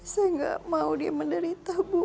saya nggak mau dia menderita bu